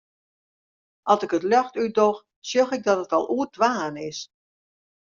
At ik it ljocht útdoch, sjoch ik dat it al oer twaen is.